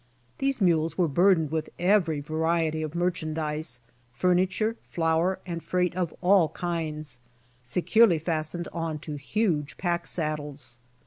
These mules were burdened with every variety of merchandise, furniture, flour and freight of all kinds, securely fastened on to huge pack saddles.